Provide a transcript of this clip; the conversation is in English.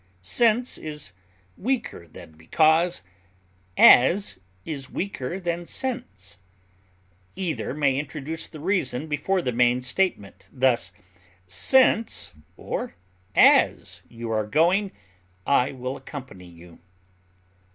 Since is weaker than because; as is weaker than since; either may introduce the reason before the main statement; thus, since or as you are going, I will accompany you.